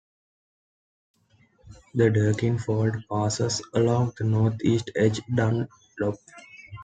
The Deakin Fault passes along the north east edge of Dunlop.